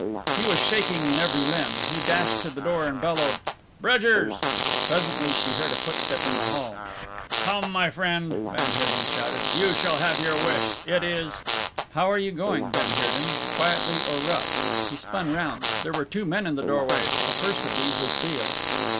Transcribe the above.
He was shaking in every limb. He dashed to the door and bellowed "Bridgers!" Presently she heard a footstep in the hall. "Come, my friend," van Heerden shouted, "you shall have your wish. It is " "How are you going, van Heerden? Quietly or rough?" He spun round. There were two men in the doorway, and the first of these was Beale.